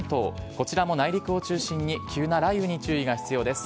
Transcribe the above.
こちらも内陸を中心に急な雷雨に注意が必要です。